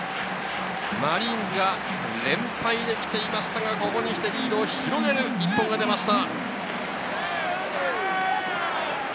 マリーンズが連敗でしたが、ここに来てリードを広げる１本が出ました。